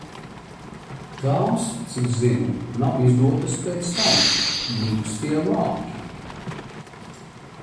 Tās, cik zinu, nav izdotas pēc tam. Mīkstie vāki.